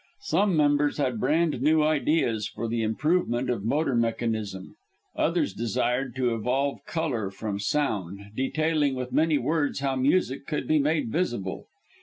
Some members had brand new ideas for the improvement of motor mechanism, others desired to evolve colour from sound, detailing with many words how music could be made visible.